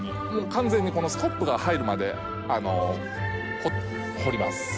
完全にこのスコップが入るまで掘ります。